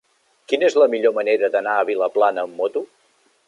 Quina és la millor manera d'anar a Vilaplana amb moto?